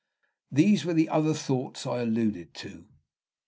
These were the other thoughts I alluded to."